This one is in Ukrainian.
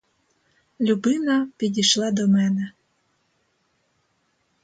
Любина підійшла до мене.